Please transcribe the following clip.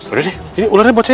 udah deh ini ulernya buat saya